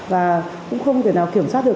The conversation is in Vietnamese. và cũng không thể nào kiểm soát được